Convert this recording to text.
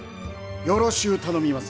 よろしう頼みます。